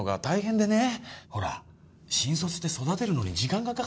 ほら新卒って育てるのに時間がかかる。